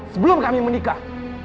sebelum kami menikah